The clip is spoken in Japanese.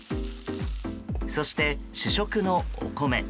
そして、主食のお米。